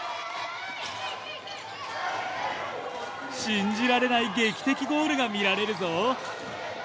信じられない劇的ゴールが見られるぞ。